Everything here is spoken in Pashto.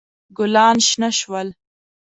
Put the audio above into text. ګلان شنه شول.